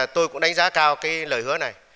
tôi cũng đánh giá cao cái lời hứa này